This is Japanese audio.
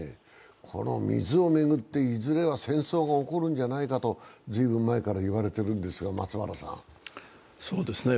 この水を巡っていずれは戦争が起こるんじゃないかと随分前から言われているんですが、松原さん。